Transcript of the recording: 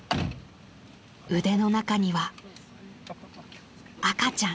［腕の中には赤ちゃん］